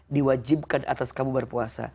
diwajibkan atas kamu berpuasa